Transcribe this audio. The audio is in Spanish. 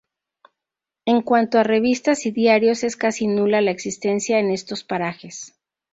En cuanto a revistas y diarios es casi nula la existencia en estos parajes.